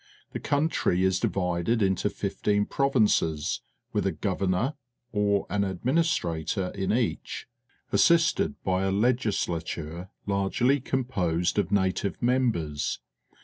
The coun try is divided into fifteen pro\ inces, with a Governor ox: an Administrator in each, assisted by a Legislature largely' composed of nativ^e members.